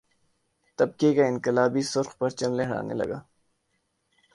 طبقے کا انقلابی سرخ پرچم لہرانے لگا